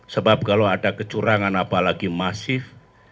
sebab kalau ada kecurangan apalagi masif